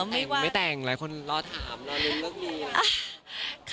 ไม่แต่งหลายคนรอถามรอลืมเลือกดี